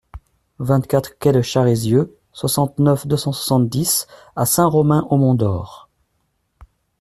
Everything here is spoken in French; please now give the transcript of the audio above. vingt-quatre quai de Charézieux, soixante-neuf, deux cent soixante-dix à Saint-Romain-au-Mont-d'Or